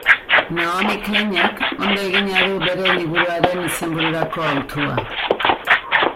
Naomi Kleinek ondo egina du bere liburuaren izenbururako hautua.